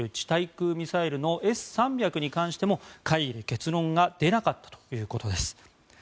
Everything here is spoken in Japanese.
対空ミサイルのＳ３００に関しても会議で結論が出なかったということです。